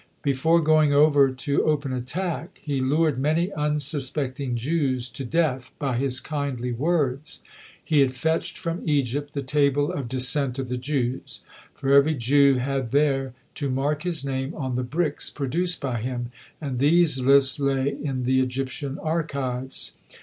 Before going over to open attack, he lured many unsuspecting Jews to death by his kindly words. He had fetched from Egypt the table of descent of the Jews; for every Jew had there to mark his name on the bricks produced by him, and these lists lay in the Egyptian archives.